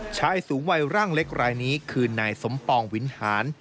ชายสูงวัยร่างเล็กรายนี้คือนายสมปองวินหาร